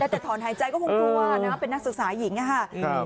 แต่ถอนหายใจก็คงกลัวนะเป็นนักศึกษาหญิงอะค่ะ